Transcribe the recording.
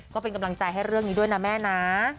ก็เป็นกำลังใจให้เรื่องนี้ด้วยนะแม่นะ